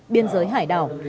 biên giới hải đảo